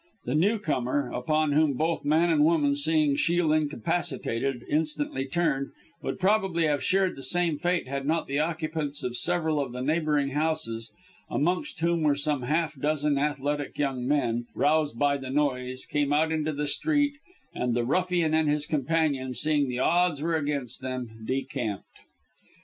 The newcomer (upon whom, both man and woman, seeing Shiel incapacitated, instantly turned) would probably have shared the same fate, had not the occupants of several of the neighbouring houses amongst whom were some half dozen athletic young men roused by the noise, come out into the street, and the ruffian and his companion, seeing the odds were against them, decamped.